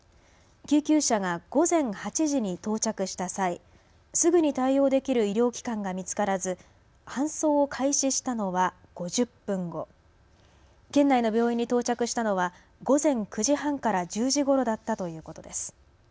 救急車が午前８時に到着した際、すぐに対応できる医療機関が見つからず搬送を開始したのは５０分後、県内の病院に到着したのは午前９時半から１０時ごろだったということです。